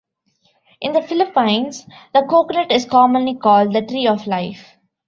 In the Philippines, the coconut is commonly called the "tree of life".